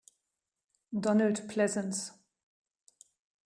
Donald Pleasence